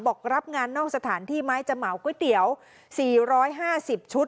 รับงานนอกสถานที่ไหมจะเหมาก๋วยเตี๋ยว๔๕๐ชุด